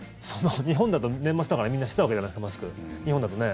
日本だと、年末だからみんなしてたわけじゃないですかマスク、日本だとね。